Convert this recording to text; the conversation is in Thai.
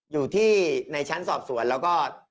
อยู่ในชั้นสอบสวนแล้วก็